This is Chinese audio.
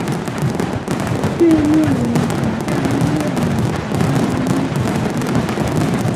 对面为台大医院与台大医学院。